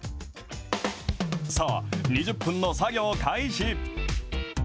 さあ、２０分の作業開始。